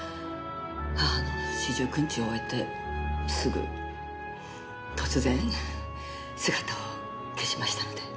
母の四十九日を終えてすぐ突然姿を消しましたので。